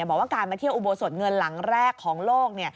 บอกว่าการมาเที่ยวอุโบสถเงินหลังแรกของโลก